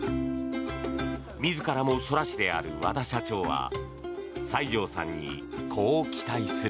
自らも空師である和田社長は西條さんにこう期待する。